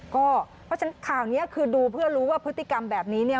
เพราะฉะนั้นข่าวนี้คือดูเพื่อรู้ว่าพฤติกรรมแบบนี้เนี่ย